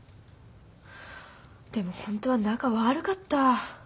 でも本当は仲悪かった。